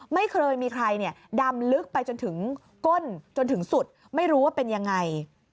ไม่เคยมีใครดำลึกไปจนถึงก้นจนถึงสุดไม่รู้ว่าเป็นยังไง